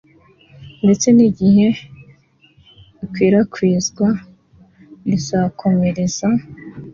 ndetse n igihe ikwirakwizwa rizakomereza